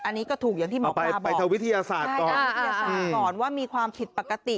อันนี้ก็ถูกอย่างที่หมอปลาบอกใช่นะวิทยาศาสตร์ก่อนว่ามีความผิดปกติ